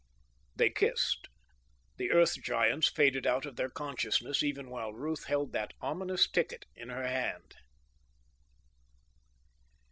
They kissed. The Earth Giants faded out of their consciousness even while Ruth held that ominous ticket in her hand.